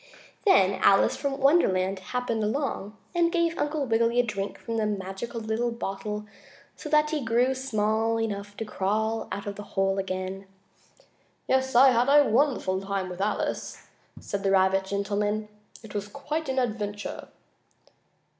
Then Alice from Wonderland happened along and gave Uncle Wiggily a drink from a magical little bottle so that he grew small enough to crawl out of the hole again. "Yes, I had a wonderful time with Alice," said the rabbit gentleman. "It was quite an adventure."